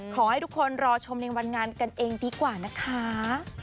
ขอให้ทุกคนรอชมในวันงานกันเองดีกว่านะคะ